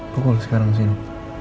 pukul sekarang sini